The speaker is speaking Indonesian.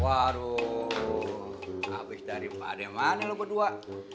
aduh abis dari pademannya lo berdua